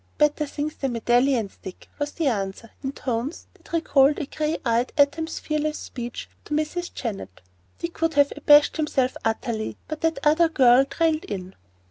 "Better things than medallions, Dick," was the answer, in tones that recalled a gray eyed atom's fearless speech to Mrs. Jennett. Dick would have abased himself utterly, but that other girl trailed in.